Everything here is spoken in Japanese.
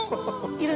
いる！